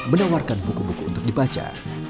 menawarkan buku buku untuk dibaca